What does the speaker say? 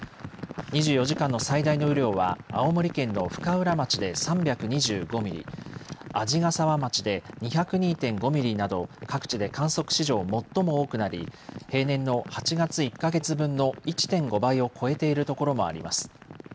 ２４時間の最大の雨量は青森県の深浦町で３２５ミリ、鰺ヶ沢町で２０２．５ミリなど各地で観測史上、最も多くなり平年の８月１か月分の１．５倍を超えている所もあります。